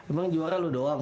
emang juara lu doang